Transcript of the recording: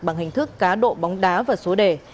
bằng hình thức cá độ bóng đá và số đề